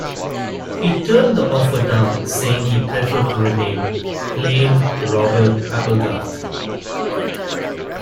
He turned the offer down, saying he preferred to remain "plain Robert Applegarth".